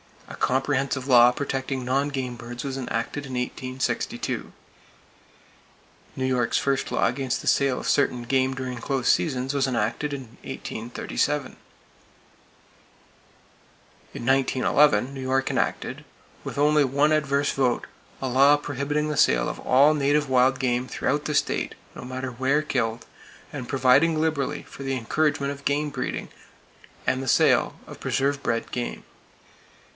A comprehensive law protecting non game birds was enacted in 1862. New York's first law against the sale of certain game during close seasons was enacted in 1837. In 1911 New York enacted, with only one adverse vote, a law prohibiting the sale of all native wild game throughout the state, no matter where killed, and providing liberally for the encouragement of game breeding, and the sale of preserve bred game.